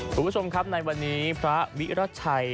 คุณผู้ชมครับในวันนี้พระวิรัติชัย